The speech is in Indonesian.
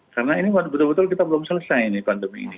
karena ini betul betul kita belum selesai nih pandemi ini